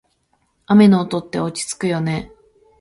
雨の音って落ち着くよね。